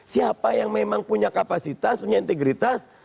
siapa yang memang punya kapasitas punya integritas